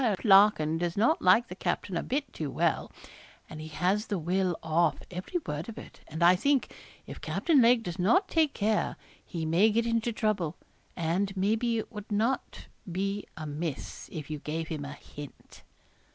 Larkin does not like the captain a bit too well and he has the will off, every word of it; and I think, if Captain Lake does not take care, he may get into trouble; and maybe it would not be amiss if you gave him a hint.'